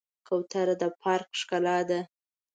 کوتره د پارک ښکلا ده.